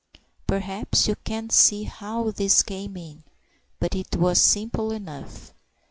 Perhaps you can't see how these came in, but it was simple enough.